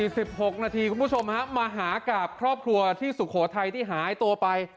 สิบหกนาทีคุณผู้ชมฮะมาหากับครอบครัวที่สุโขทัยที่หายตัวไป